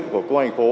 của công an thành phố